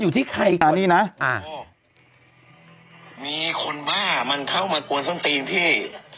อยู่ที่ใครอ่านี่นะอ่ามีคนบ้ามันเข้ามากวนส้นตีนพี่